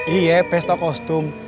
iya pesta kostum